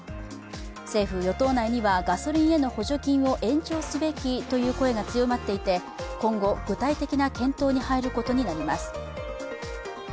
政府・与党内にはガソリンへの補助金を延長すべきという声が強まっていて今後、具体的な検討に入ることになります。